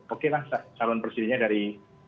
okelah calon presidennya dari